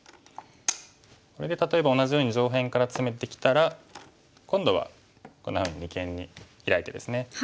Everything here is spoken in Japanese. これで例えば同じように上辺からツメてきたら今度はこんなふうに二間にヒラいてですね。